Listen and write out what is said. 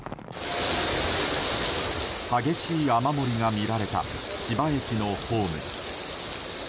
激しい雨漏りが見られた千葉駅のホーム。